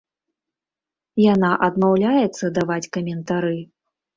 Яна адмаўляецца даваць каментары.